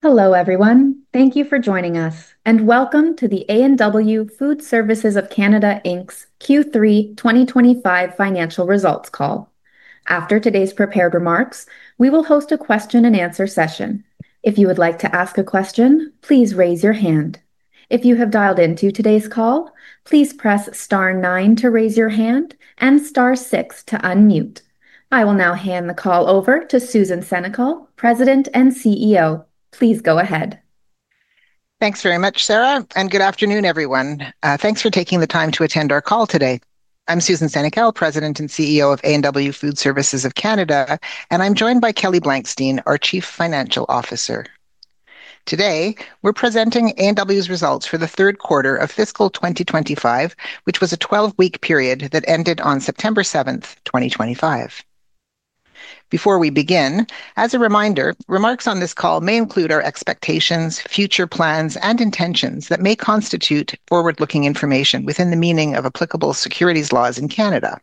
Hello everyone, thank you for joining us and welcome to the A&W Food Services of Canada Inc's Q3 2025 Financial Results Call. After today's prepared remarks, we will host a question and answer session. If you would like to ask a question, please raise your hand. If you have dialed into today's call, please press *9 to raise your hand and *6 to unmute. I will now hand the call over to Susan Senecal, President and CEO. Please go ahead. Thanks very much, Sarah, and good afternoon, everyone. Thanks for taking the time to attend our call today. I'm Susan Senecal, President and CEO of A&W Food Services of Canada, and I'm joined by Kelly Blankstein, our Chief Financial Officer. Today, we're presenting A&W's results for the third quarter of fiscal 2025, which was a 12-week period that ended on September 7th, 2025. Before we begin, as a reminder, remarks on this call may include our expectations, future plans, and intentions that may constitute forward-looking information within the meaning of applicable securities laws in Canada.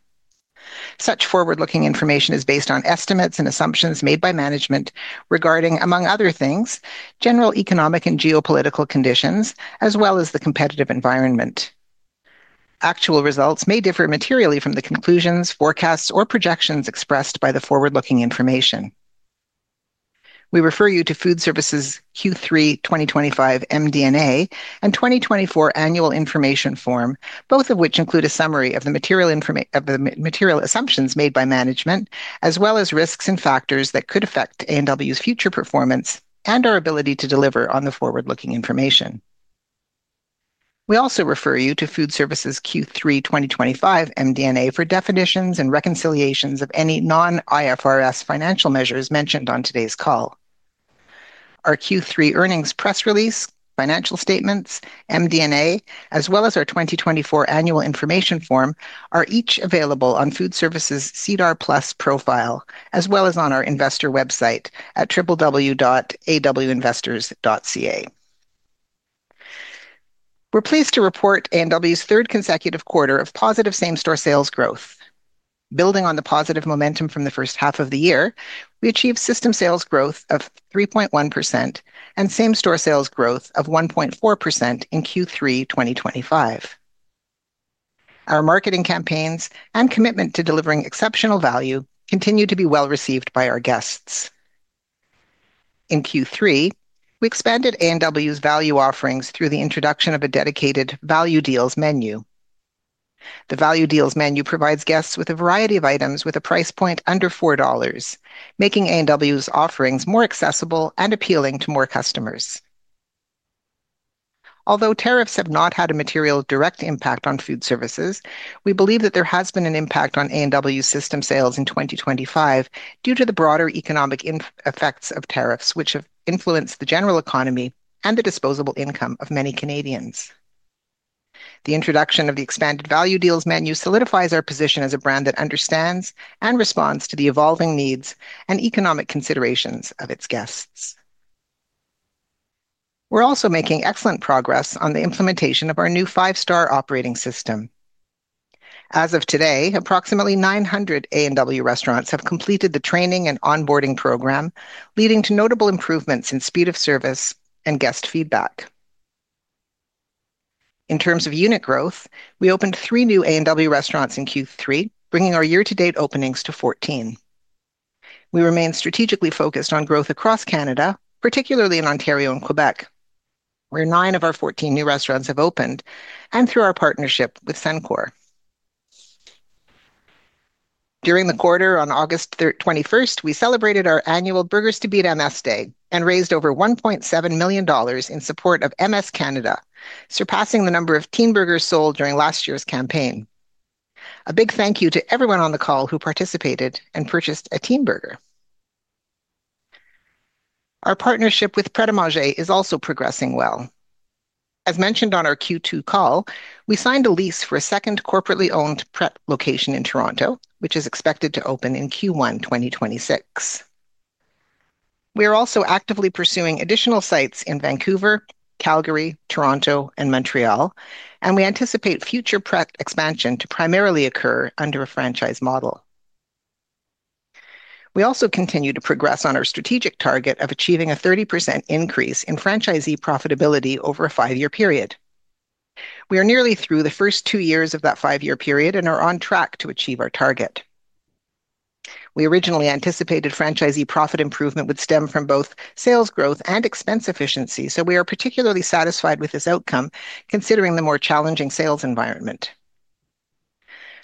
Such forward-looking information is based on estimates and assumptions made by management regarding, among other things, general economic and geopolitical conditions, as well as the competitive environment. Actual results may differ materially from the conclusions, forecasts, or projections expressed by the forward-looking information. We refer you to Food Services Q3 2025 MD&A and 2024 Annual Information Form, both of which include a summary of the material assumptions made by management, as well as risks and factors that could affect A&W's future performance and our ability to deliver on the forward-looking information. We also refer you to Food Services Q3 2025 MD&A for definitions and reconciliations of any non-IFRS financial measures mentioned on today's call. Our Q3 earnings press release, financial statements, MD&A, as well as our 2024 Annual Information Form are each available on Food Services' SEDAR+ profile, as well as on our investor website at www.awinvestors.ca. We're pleased to report A&W's third consecutive quarter of positive same-store sales growth. Building on the positive momentum from the first half of the year, we achieved system sales growth of 3.1% and same-store sales growth of 1.4% in Q3 2025. Our marketing campaigns and commitment to delivering exceptional value continue to be well received by our guests. In Q3, we expanded A&W's value offerings through the introduction of a dedicated Value Deals menu. The Value Deals menu provides guests with a variety of items with a price point under $4, making A&W's offerings more accessible and appealing to more customers. Although tariffs have not had a material direct impact on food services, we believe that there has been an impact on A&W's system sales in 2025 due to the broader economic effects of tariffs, which have influenced the general economy and the disposable income of many Canadians. The introduction of the expanded Value Deals menu solidifies our position as a brand that understands and responds to the evolving needs and economic considerations of its guests. We're also making excellent progress on the implementation of our new five-star operating system. As of today, approximately 900 A&W restaurants have completed the training and onboarding program, leading to notable improvements in speed of service and guest feedback. In terms of unit growth, we opened three new A&W restaurants in Q3, bringing our year-to-date openings to 14. We remain strategically focused on growth across Canada, particularly in Ontario and Québec, where nine of our 14 new restaurants have opened and through our partnership with Suncor. During the quarter, on August 21st, we celebrated our annual Burgers to Beat MS Day and raised over $1.7 million in support of MS Canada, surpassing the number of Teen Burgers sold during last year's campaign. A big thank you to everyone on the call who participated and purchased a Teen Burger. Our partnership with Pret A Manger is also progressing well. As mentioned on our Q2 call, we signed a lease for a second corporately owned Pret location in Toronto, which is expected to open in Q1 2026. We are also actively pursuing additional sites in Vancouver, Calgary, Toronto, and Montreal, and we anticipate future Pret expansion to primarily occur under a franchise model. We also continue to progress on our strategic target of achieving a 30% increase in franchisee profitability over a five-year period. We are nearly through the first two years of that five-year period and are on track to achieve our target. We originally anticipated franchisee profit improvement would stem from both sales growth and expense efficiency, so we are particularly satisfied with this outcome, considering the more challenging sales environment.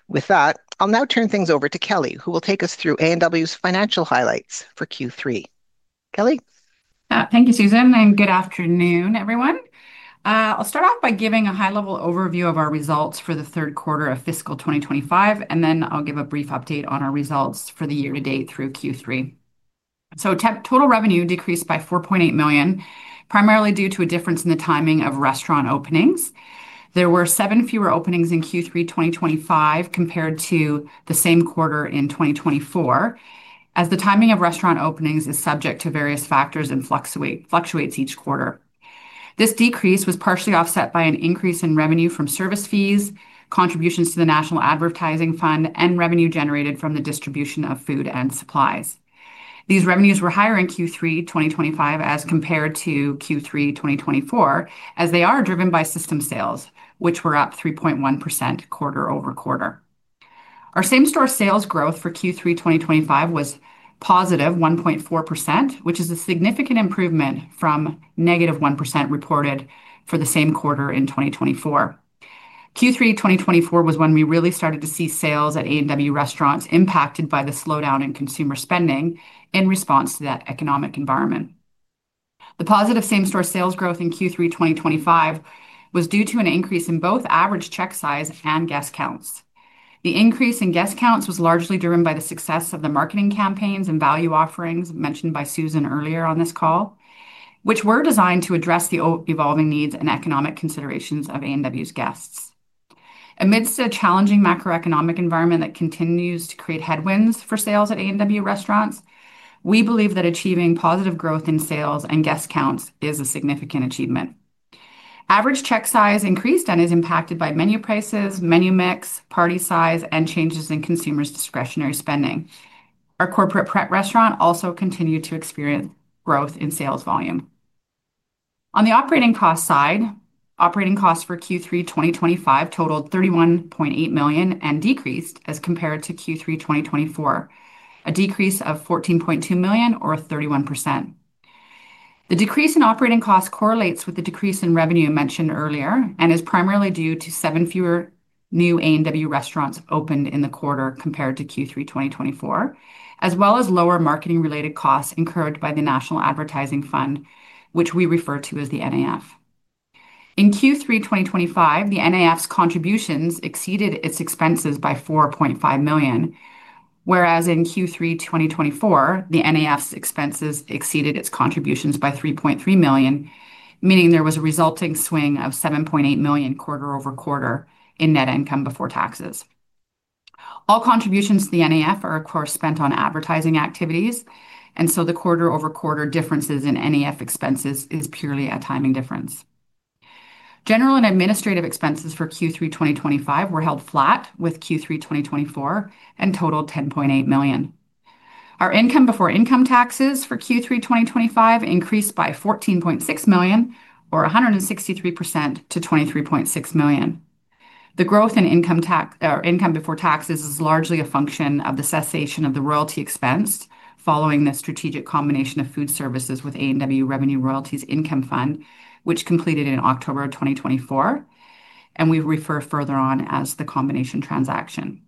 With that, I'll now turn things over to Kelly, who will take us through A&W's financial highlights for Q3. Kelly? Thank you, Susan, and good afternoon, everyone. I'll start off by giving a high-level overview of our results for the third quarter of fiscal 2025, and then I'll give a brief update on our results for the year-to-date through Q3. Total revenue decreased by $4.8 million, primarily due to a difference in the timing of restaurant openings. There were seven fewer openings in Q3 2025 compared to the same quarter in 2024, as the timing of restaurant openings is subject to various factors and fluctuates each quarter. This decrease was partially offset by an increase in revenue from service fees, contributions to the National Advertising Fund, and revenue generated from the distribution of food and supplies. These revenues were higher in Q3 2025 as compared to Q3 2024, as they are driven by system sales, which were up 3.1% quarter over quarter. Our same-store sales growth for Q3 2025 was positive 1.4%, which is a significant improvement from negative 1% reported for the same quarter in 2024. Q3 2024 was when we really started to see sales at A&W restaurants impacted by the slowdown in consumer spending in response to that economic environment. The positive same-store sales growth in Q3 2025 was due to an increase in both average check size and guest counts. The increase in guest counts was largely driven by the success of the marketing campaigns and value offerings mentioned by Susan earlier on this call, which were designed to address the evolving needs and economic considerations of A&W's guests. Amidst a challenging macro-economic environment that continues to create headwinds for sales at A&W restaurants, we believe that achieving positive growth in sales and guest counts is a significant achievement. Average check size increase then is impacted by menu prices, menu mix, party size, and changes in consumers' discretionary spending. Our corporate Pret restaurant also continued to experience growth in sales volume. On the operating cost side, operating costs for Q3 2025 totaled $31.8 million and decreased as compared to Q3 2024, a decrease of $14.2 million or 31%. The decrease in operating costs correlates with the decrease in revenue mentioned earlier and is primarily due to seven fewer new A&W restaurants opened in the quarter compared to Q3 2024, as well as lower marketing-related costs incurred by the National Advertising Fund, which we refer to as the NAF. In Q3 2025, the NAF's contributions exceeded its expenses by $4.5 million, whereas in Q3 2024, the NAF's expenses exceeded its contributions by $3.3 million, meaning there was a resulting swing of $7.8 million quarter over quarter in net income before taxes. All contributions to the NAF are, of course, spent on advertising activities, and the quarter over quarter differences in NAF expenses are purely a timing difference. General and administrative expenses for Q3 2025 were held flat with Q3 2024 and totaled $10.8 million. Our income before income taxes for Q3 2025 increased by $14.6 million, or 163%, to $23.6 million. The growth in income before taxes is largely a function of the cessation of the royalty expense following the strategic combination of Food Services with A&W Revenue Royalties Income Fund, which completed in October 2024, and we refer further on as the combination transaction.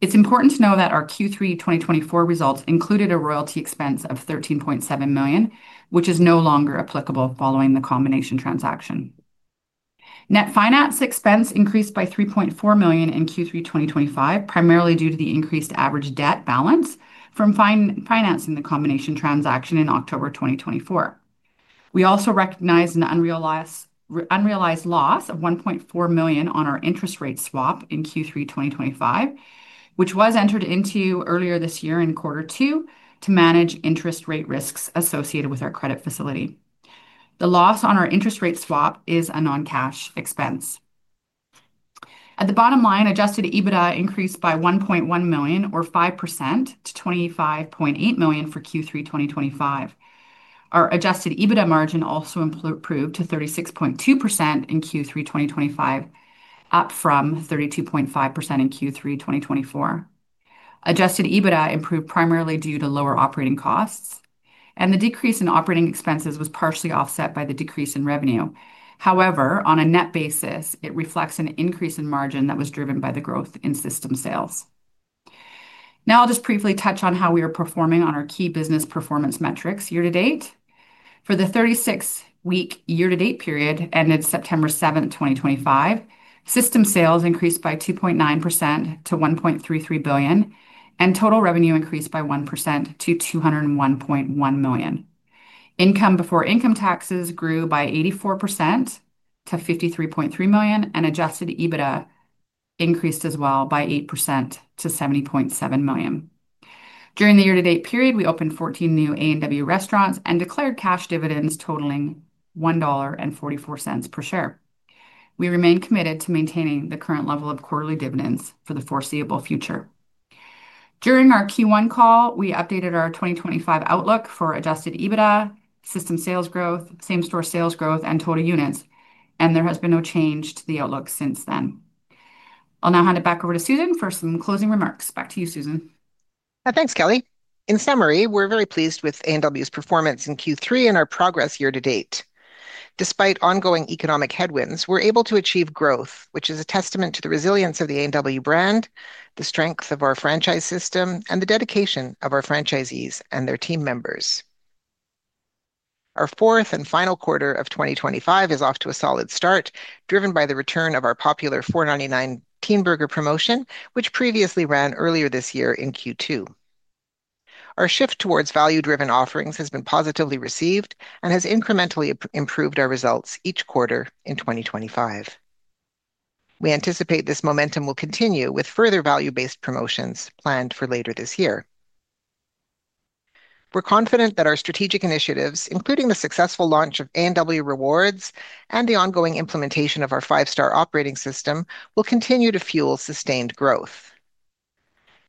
It's important to know that our Q3 2024 results included a royalty expense of $13.7 million, which is no longer applicable following the combination transaction. Net finance expense increased by $3.4 million in Q3 2025, primarily due to the increased average debt balance from financing the combination transaction in October 2024. We also recognized an unrealized loss of $1.4 million on our interest rate swap in Q3 2025, which was entered into earlier this year in quarter two to manage interest rate risks associated with our credit facility. The loss on our interest rate swap is a non-cash expense. At the bottom line, adjusted EBITDA increased by $1.1 million, or 5%, to $25.8 million for Q3 2025. Our adjusted EBITDA margin also improved to 36.2% in Q3 2025, up from 32.5% in Q3 2024. Adjusted EBITDA improved primarily due to lower operating costs, and the decrease in operating expenses was partially offset by the decrease in revenue. However, on a net basis, it reflects an increase in margin that was driven by the growth in system sales. Now I'll just briefly touch on how we are performing on our key business performance metrics year-to-date. For the 36-week year-to-date period ended September 7, 2025, system sales increased by 2.9% to $1.33 billion, and total revenue increased by 1% to $201.1 million. Income before income taxes grew by 84% to $53.3 million, and adjusted EBITDA increased as well by 8% to $70.7 million. During the year-to-date period, we opened 14 new A&W restaurants and declared cash dividends totaling $1.44 per share. We remain committed to maintaining the current level of quarterly dividends for the foreseeable future. During our Q1 call, we updated our 2025 outlook for adjusted EBITDA, system sales growth, same-store sales growth, and total units, and there has been no change to the outlook since then. I'll now hand it back over to Susan for some closing remarks. Back to you, Susan. Thanks, Kelly. In summary, we're very pleased with A&W's performance in Q3 and our progress year-to-date. Despite ongoing economic headwinds, we're able to achieve growth, which is a testament to the resilience of the A&W brand, the strength of our franchise model, and the dedication of our franchisees and their team members. Our fourth and final quarter of 2025 is off to a solid start, driven by the return of our popular $4.99 Teen Burger promotion, which previously ran earlier this year in Q2. Our shift towards value-driven offerings has been positively received and has incrementally improved our results each quarter in 2025. We anticipate this momentum will continue with further value-based promotions planned for later this year. We're confident that our strategic initiatives, including the successful launch of A&W Rewards and the ongoing implementation of our five-star operating system, will continue to fuel sustained growth.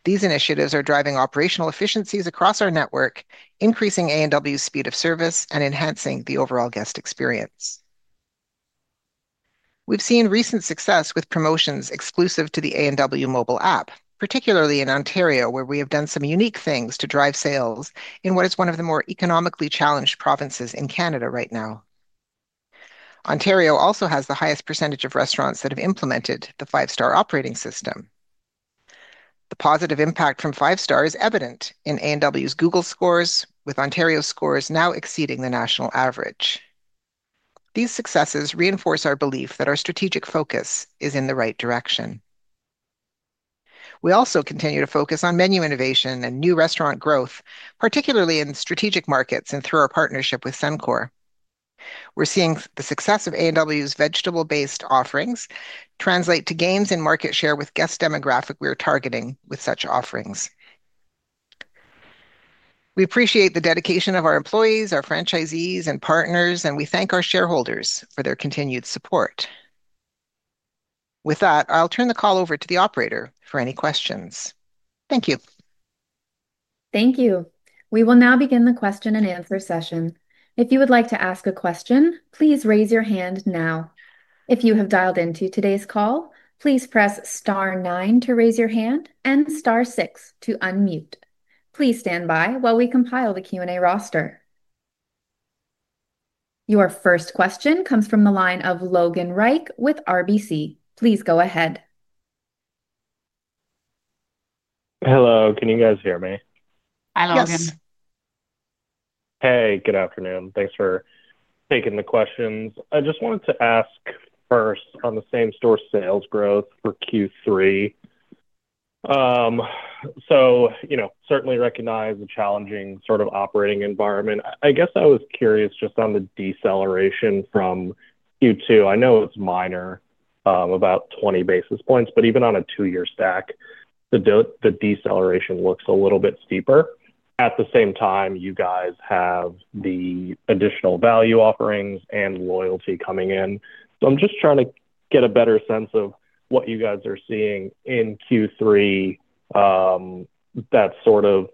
These initiatives are driving operational efficiencies across our network, increasing A&W's speed of service, and enhancing the overall guest experience. We've seen recent success with promotions exclusive to the A&W mobile app, particularly in Ontario, where we have done some unique things to drive sales in what is one of the more economically challenged provinces in Canada right now. Ontario also has the highest percentage of restaurants that have implemented the five-star operating system. The positive impact from five-star is evident in A&W's Google scores, with Ontario's scores now exceeding the national average. These successes reinforce our belief that our strategic focus is in the right direction. We also continue to focus on menu innovation and new restaurant growth, particularly in strategic markets and through our partnership with Suncor. We're seeing the success of A&W's vegetable-based offerings translate to gains in market share with the guest demographic we are targeting with such offerings. We appreciate the dedication of our employees, our franchisees, and partners, and we thank our shareholders for their continued support. With that, I'll turn the call over to the operator for any questions. Thank you. Thank you. We will now begin the question and answer session. If you would like to ask a question, please raise your hand now. If you have dialed into today's call, please press *9 to raise your hand and *6 to unmute. Please stand by while we compile the Q&A roster. Your first question comes from the line of Logan Reich with RBC. Please go ahead. Hello, can you guys hear me? Hi, Logan. Yes. Hey, good afternoon. Thanks for taking the questions. I just wanted to ask first on the same-store sales growth for Q3. Certainly recognize a challenging sort of operating environment. I guess I was curious just on the deceleration from Q2. I know it's minor, about 20 basis points, but even on a two-year stack, the deceleration looks a little bit steeper. At the same time, you guys have the additional value offerings and loyalty coming in. I'm just trying to get a better sense of what you guys are seeing in Q3 that's sort of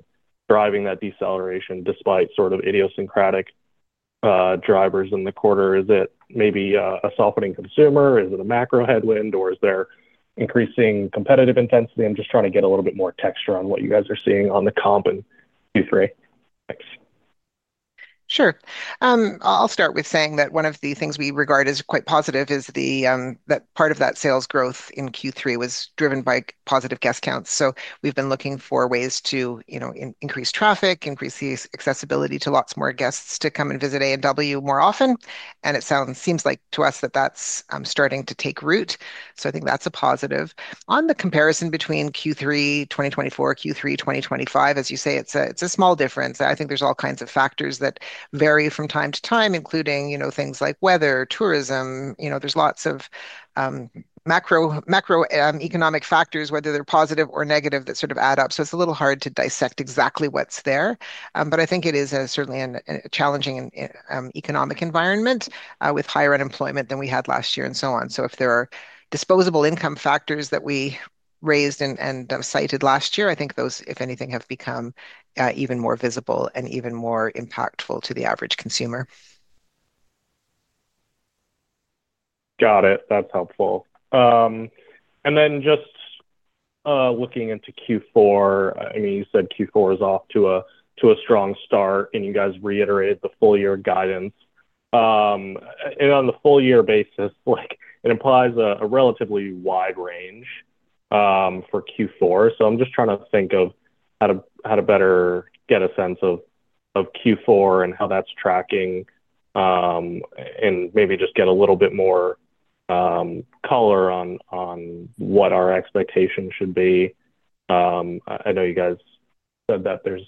driving that deceleration despite sort of idiosyncratic drivers in the quarter. Is it maybe a softening consumer? Is it a macro-economic headwind, or is there increasing competitive intensity? I'm just trying to get a little bit more texture on what you guys are seeing on the comp in Q3. Thanks. Sure. I'll start with saying that one of the things we regard as quite positive is that part of that sales growth in Q3 was driven by positive guest counts. We've been looking for ways to increase traffic, increase the accessibility to lots more guests to come and visit A&W more often. It seems like to us that that's starting to take root. I think that's a positive. On the comparison between Q3 2024 and Q3 2025, as you say, it's a small difference. I think there's all kinds of factors that vary from time to time, including things like weather, tourism. There are lots of macro-economic factors, whether they're positive or negative, that sort of add up. It's a little hard to dissect exactly what's there. I think it is certainly a challenging economic environment with higher unemployment than we had last year and so on. If there are disposable income factors that we raised and cited last year, I think those, if anything, have become even more visible and even more impactful to the average consumer. Got it. That's helpful. Just looking into Q4, you said Q4 is off to a strong start, and you guys reiterated the full-year guidance. On the full-year basis, it implies a relatively wide range for Q4. I'm just trying to think of how to better get a sense of Q4 and how that's tracking and maybe just get a little bit more color on what our expectation should be. I know you guys said that there's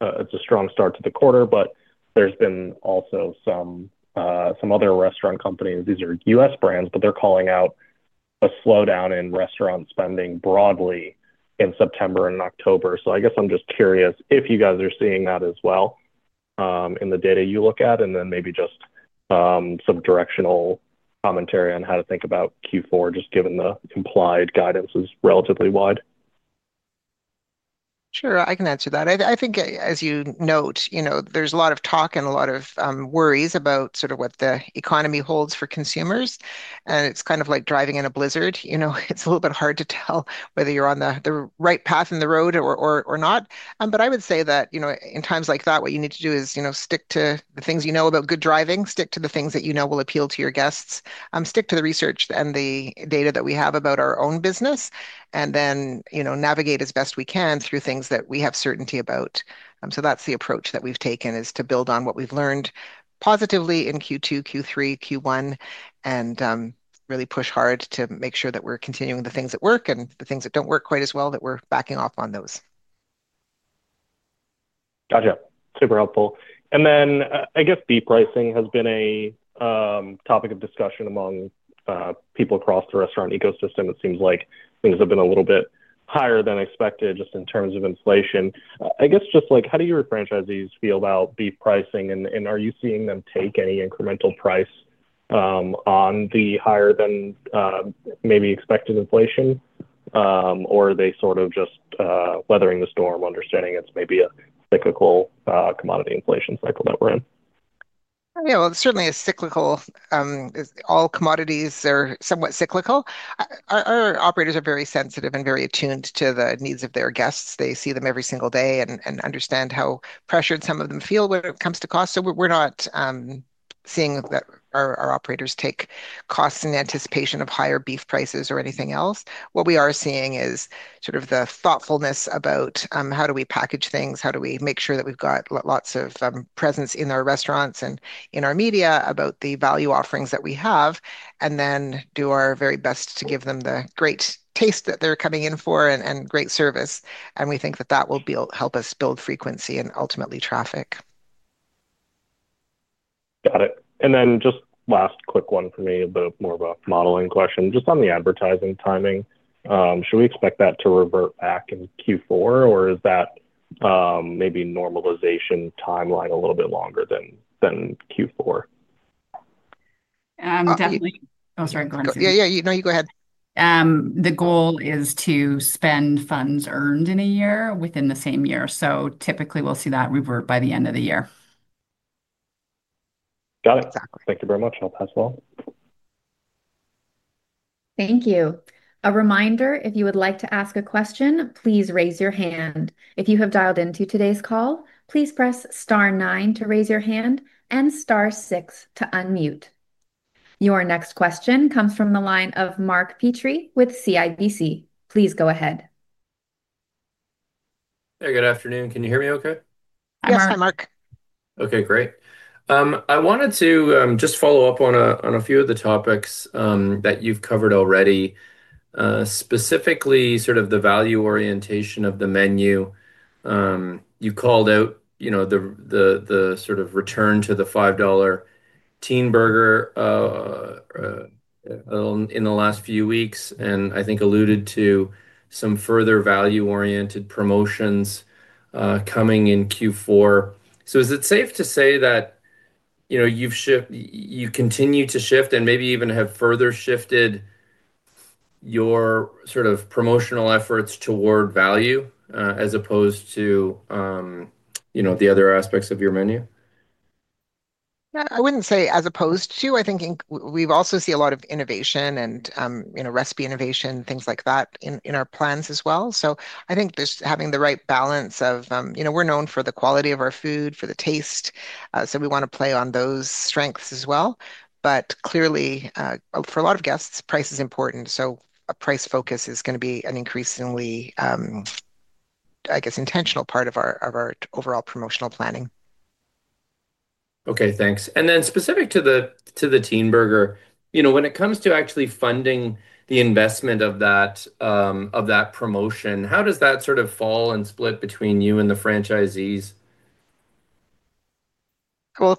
a strong start to the quarter, but there have also been some other restaurant companies. These are U.S. brands, but they're calling out a slowdown in restaurant spending broadly in September and October. I guess I'm just curious if you guys are seeing that as well in the data you look at, and maybe just some directional commentary on how to think about Q4, given the implied guidance is relatively wide. Sure, I can answer that. I think, as you note, there's a lot of talk and a lot of worries about what the economy holds for consumers. It's kind of like driving in a blizzard. It's a little bit hard to tell whether you're on the right path in the road or not. I would say that in times like that, what you need to do is stick to the things you know about good driving, stick to the things that you know will appeal to your guests, stick to the research and the data that we have about our own business, and then navigate as best we can through things that we have certainty about. That's the approach that we've taken, to build on what we've learned positively in Q2, Q3, Q1, and really push hard to make sure that we're continuing the things that work and the things that don't work quite as well, that we're backing off on those. Gotcha. Super helpful. I guess beef pricing has been a topic of discussion among people across the restaurant ecosystem. It seems like things have been a little bit higher than expected just in terms of inflation. I guess just how do your franchisees feel about beef pricing? Are you seeing them take any incremental price on the higher than maybe expected inflation, or are they sort of just weathering the storm, understanding it's maybe a cyclical commodity inflation cycle that we're in? Yeah, it certainly is cyclical. All commodities are somewhat cyclical. Our operators are very sensitive and very attuned to the needs of their guests. They see them every single day and understand how pressured some of them feel when it comes to cost. We're not seeing that our operators take costs in anticipation of higher beef prices or anything else. What we are seeing is sort of the thoughtfulness about how do we package things, how do we make sure that we've got lots of presence in our restaurants and in our media about the value offerings that we have, and do our very best to give them the great taste that they're coming in for and great service. We think that will help us build frequency and ultimately traffic. Got it. Just last quick one for me, a bit more of a modeling question. Just on the advertising timing, should we expect that to revert back in Q4, or is that maybe normalization timeline a little bit longer than Q4? Definitely. Sorry, go ahead. The goal is to spend funds earned in a year within the same year. Typically, we'll see that revert by the end of the year. Got it. Thank you very much. I'll pass it along. Thank you. A reminder, if you would like to ask a question, please raise your hand. If you have dialed into today's call, please press *9 to raise your hand and *6 to unmute. Your next question comes from the line of Mark Petrie with CIBC. Please go ahead. Hey, good afternoon. Can you hear me okay? Yes, hi, Mark. Okay, great. I wanted to just follow up on a few of the topics that you've covered already, specifically sort of the value orientation of the menu. You called out, you know, the sort of return to the $5 Teen Burger in the last few weeks, and I think alluded to some further value-oriented promotions coming in Q4. Is it safe to say that you've continued to shift and maybe even have further shifted your sort of promotional efforts toward value as opposed to the other aspects of your menu? I think we also see a lot of innovation and recipe innovation, things like that in our plans as well. I think just having the right balance of, you know, we're known for the quality of our food, for the taste. We want to play on those strengths as well. Clearly, for a lot of guests, price is important. A price focus is going to be an increasingly, I guess, intentional part of our overall promotional planning. Okay, thanks. Specific to the Teen Burger, when it comes to actually funding the investment of that promotion, how does that sort of fall and split between you and the franchisees?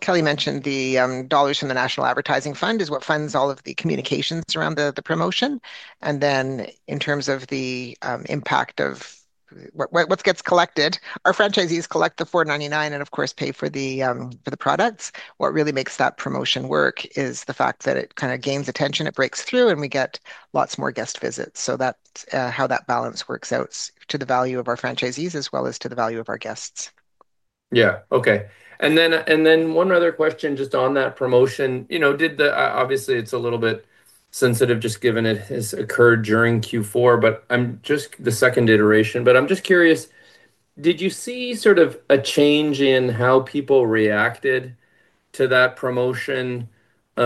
Kelly mentioned the dollars from the National Advertising Fund is what funds all of the communications around the promotion. In terms of the impact of what gets collected, our franchisees collect the $4.99 and, of course, pay for the products. What really makes that promotion work is the fact that it kind of gains attention, it breaks through, and we get lots more guest visits. That's how that balance works out to the value of our franchisees as well as to the value of our guests. Okay. One other question just on that promotion. Obviously, it's a little bit sensitive just given it has occurred during Q4, but I'm just the second iteration. I'm just curious, did you see sort of a change in how people reacted to that promotion the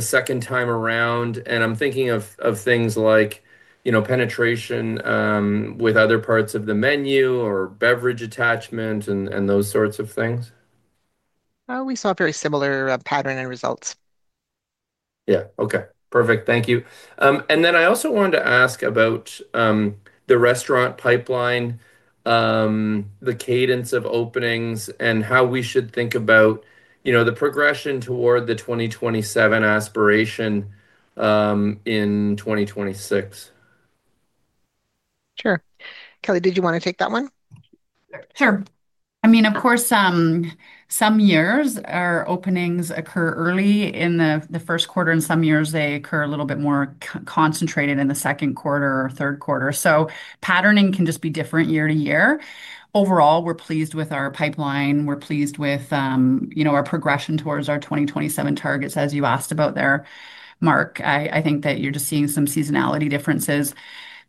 second time around? I'm thinking of things like penetration with other parts of the menu or beverage attachments and those sorts of things. We saw a very similar pattern in results. Okay. Perfect. Thank you. I also wanted to ask about the restaurant pipeline, the cadence of openings, and how we should think about the progression toward the 2027 aspiration in 2026. Sure. Kelly, did you want to take that one? Sure. Of course, some years our openings occur early in the first quarter, and some years they occur a little bit more concentrated in the second quarter or third quarter. Patterning can just be different year to year. Overall, we're pleased with our pipeline. We're pleased with our progression towards our 2027 targets, as you asked about there, Mark. I think that you're just seeing some seasonality differences.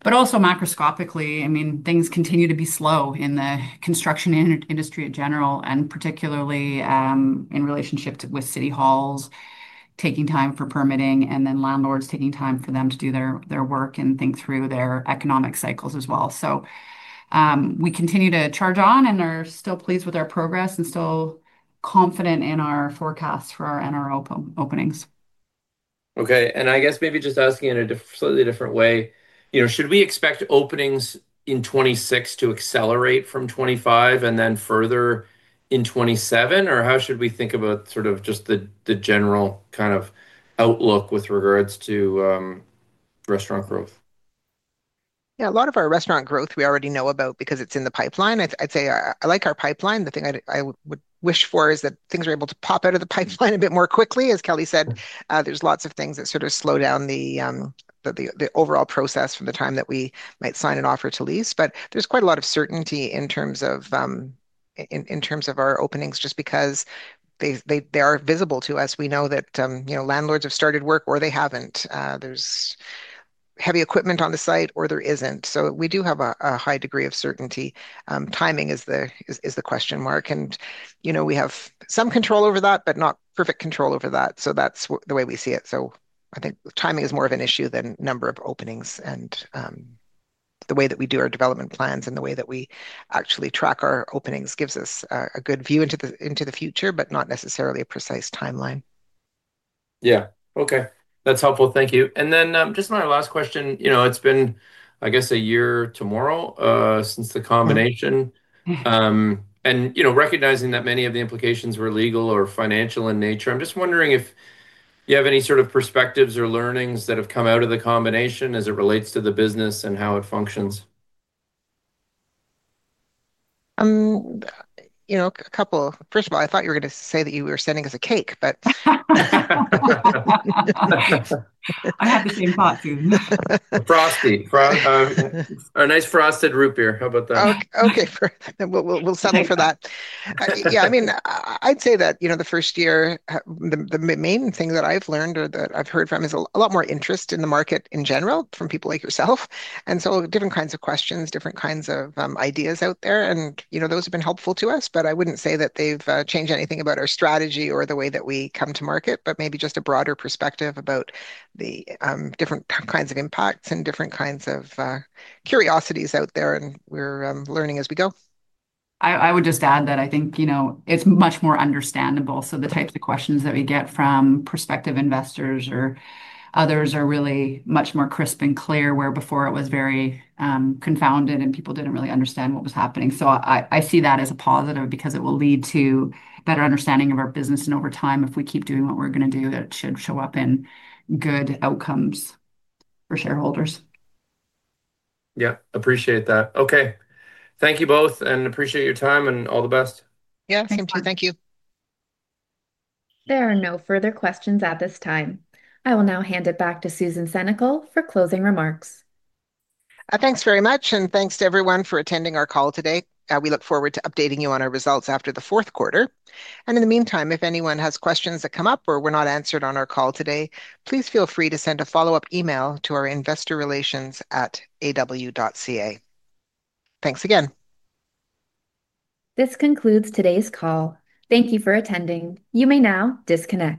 Also, macroscopically, things continue to be slow in the construction industry in general, and particularly in relationships with city halls, taking time for permitting, and then landlords taking time for them to do their work and think through their economic cycles as well. We continue to charge on and are still pleased with our progress and still confident in our forecasts for our NRO openings. Okay. I guess maybe just asking in a slightly different way, should we expect openings in 2026 to accelerate from 2025 and then further in 2027, or how should we think about just the general kind of outlook with regards to restaurant growth? Yeah, a lot of our restaurant growth we already know about because it's in the pipeline. I'd say I like our pipeline. The thing I would wish for is that things are able to pop out of the pipeline a bit more quickly. As Kelly said, there's lots of things that sort of slow down the overall process from the time that we might sign an offer to lease. There is quite a lot of certainty in terms of our openings just because they are visible to us. We know that landlords have started work or they haven't. There's heavy equipment on the site or there isn't. We do have a high degree of certainty. Timing is the question mark. We have some control over that, but not perfect control over that. That's the way we see it. I think timing is more of an issue than the number of openings. The way that we do our development plans and the way that we actually track our openings gives us a good view into the future, but not necessarily a precise timeline. Yeah, okay. That's helpful. Thank you. Just my last question, you know, it's been, I guess, a year tomorrow since the combination. You know, recognizing that many of the implications were legal or financial in nature, I'm just wondering if you have any sort of perspectives or learnings that have come out of the combination as it relates to the business and how it functions. You know, first of all, I thought you were going to say that you were sending us a cake, but I had the same thought too. A frosty, a nice frosted [Root Beer]. How about that? Okay, we'll settle for that. I mean, I'd say that, you know, the first year, the main thing that I've learned or that I've heard from is a lot more interest in the market in general from people like yourself. Different kinds of questions, different kinds of ideas out there have been helpful to us, but I wouldn't say that they've changed anything about our strategy or the way that we come to market. Maybe just a broader perspective about the different kinds of impacts and different kinds of curiosities out there. We're learning as we go. I would just add that I think it's much more understandable. The types of questions that we get from prospective investors or others are really much more crisp and clear, where before it was very confounded and people didn't really understand what was happening. I see that as a positive because it will lead to a better understanding of our business. Over time, if we keep doing what we're going to do, it should show up in good outcomes for shareholders. Yeah, appreciate that. Okay, thank you both and appreciate your time and all the best. Yeah, same to you. Thank you. There are no further questions at this time. I will now hand it back to Susan Senecal for closing remarks. Thanks very much, and thanks to everyone for attending our call today. We look forward to updating you on our results after the fourth quarter. In the meantime, if anyone has questions that come up or were not answered on our call today, please feel free to send a follow-up email to our investor relations at AW.ca. Thanks again. This concludes today's call. Thank you for attending. You may now disconnect.